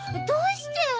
どうして？